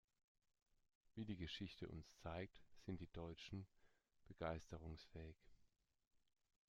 Wie die Geschichte uns zeigt, sind die Deutschen begeisterungsfähig.